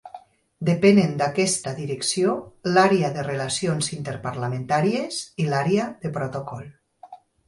Depenen d'aquesta direcció l'Àrea de Relacions Interparlamentàries i l'Àrea de Protocol.